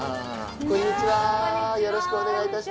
こんにちはよろしくお願いいたします。